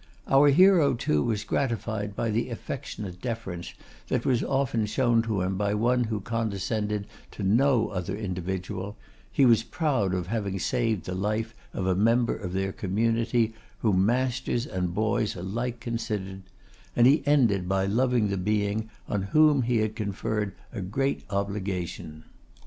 Our hero, too, was gratified by the affectionate deference that was often shown to him by one who condescended to no other individual; he was proud of having saved the life of a member of their community whom masters and boys alike considered; and he ended by loving the being on whom he had conferred a great obligation.